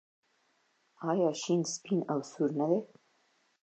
آیا شین سپین او سور نه دي؟